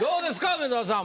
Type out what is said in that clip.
梅沢さん